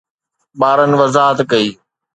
ٻارن وضاحت ڪئي